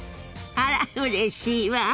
あらうれしいわ。